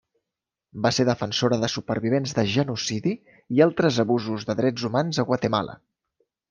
Va ser defensora de supervivents de genocidi i altres abusos de drets humans a Guatemala.